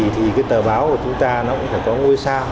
thì cái tờ báo của chúng ta nó cũng phải có ngôi sao